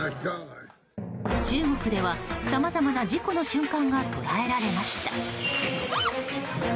中国ではさまざまな事故の瞬間が捉えられました。